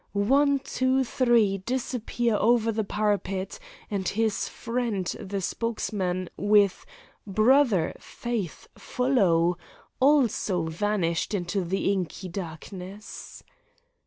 One, two, three, disappear over the parapet, and his friend the spokesman, with: "Brother, faith, follow!" also vanished into the inky darkness.